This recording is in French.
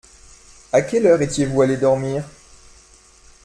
À quelle heure étiez-vous allés dormir ?